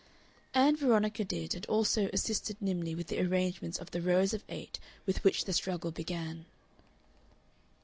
Ann Veronica did, and also assisted nimbly with the arrangements of the rows of eight with which the struggle began.